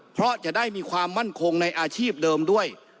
เพราะจะได้มีความมั่นคงในอาชีพเดิมด้วย